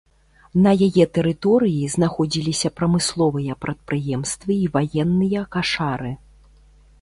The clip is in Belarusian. На яе тэрыторыі знаходзіліся прамысловыя прадпрыемствы і ваенныя кашары.